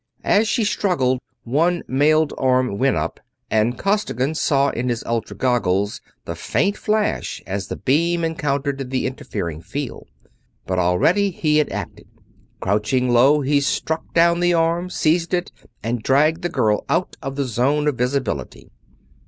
As she struggled one mailed arm went up, and Costigan saw in his ultra goggles the faint flash as the beam encountered the interfering field. But already he had acted. Crouching low, he struck down the arm, seized it, and dragged the girl out of the zone of visibility.